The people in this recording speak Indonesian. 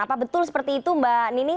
apa betul seperti itu mbak nini